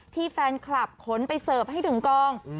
ที่แฟนคลับขนไปเสิร์ฟให้ถึงกอง